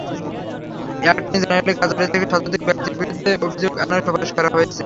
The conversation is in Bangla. অ্যাটর্নি জেনারেলের কার্যালয় থেকে শতাধিক ব্যক্তির বিরুদ্ধে অভিযোগ আনার সুপারিশ করা হয়েছে।